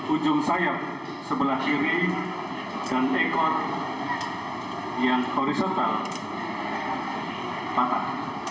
ujung sayap sebelah kiri dan ekor yang horizontal patah